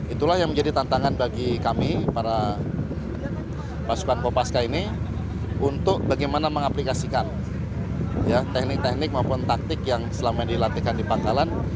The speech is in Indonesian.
itulah yang menjadi tantangan bagi kami para pasukan kopaska ini untuk bagaimana mengaplikasikan teknik teknik maupun taktik yang selama ini dilatihkan di pangkalan